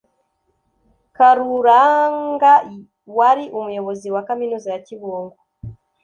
karuranga wari umuyobozi wa kaminuza ya kibungo,